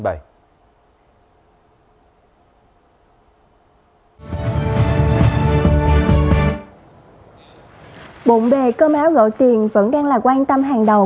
bộn bề cơm áo gọi tiền vẫn đang là quan tâm hàng đầu